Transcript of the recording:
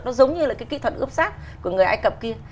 nó giống như là cái kỹ thuật ướp xác của người ai cập kia